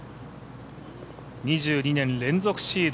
２２年連続シード